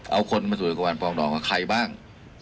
เอาคนมาสู่การปรองดองว่าใครบ้าง